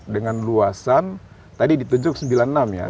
dengan luasan tadi ditunjuk sembilan puluh enam ya